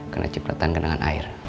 kena cipretan kena air